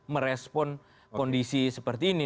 merespon kondisi seperti ini